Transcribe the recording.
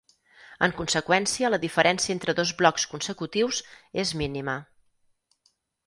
En conseqüència la diferència entre dos blocs consecutius és mínima.